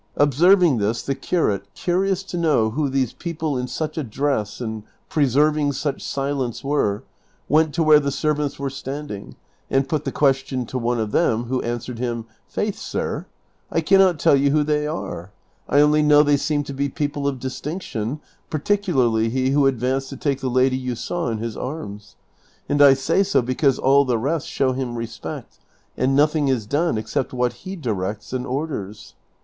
Observing this the curate, curious to know who these people in such a dress and preserving such silence were, went to where the servants were standing and put the question to one of them, who answered him, " Faith, sir, I can not tell you who they are, I only know they seem to be people of distinction, particularly he who advanced to take the lady you saw in his arms ; and I say so because all the rest show him respect, and nothing is done except what he directs and orders."